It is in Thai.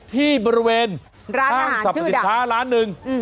ที่บริเวณร้านสรรพสติธรรม๑ล้าน